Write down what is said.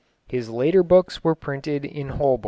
His later books were printed in Holborn.